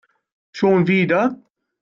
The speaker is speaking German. Schon wieder?